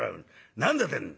何だってんだ」。